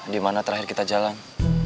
di mana terakhir kita jalan